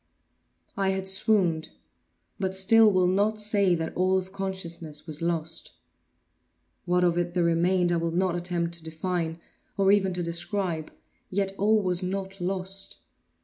I had swooned; but still will not say that all of consciousness was lost. What of it there remained I will not attempt to define, or even to describe; yet all was not lost.